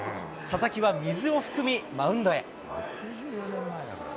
佐々木は水を含み、マウンドへ。